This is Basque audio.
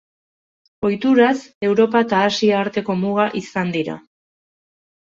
Ohituraz, Europa eta Asia arteko muga izan dira.